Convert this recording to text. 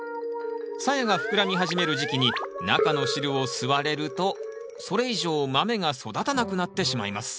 さやが膨らみ始める時期に中の汁を吸われるとそれ以上豆が育たなくなってしまいます。